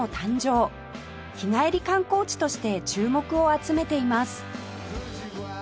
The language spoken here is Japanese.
日帰り観光地として注目を集めています